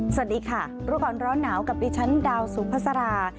สวัสดีค่ะรู้ก่อนร้อนหนาวกับดิฉันดาวสุภาษารา